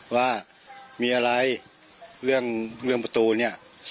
ว่ามีอะไรเรื่องเรื่องประตูเนี่ย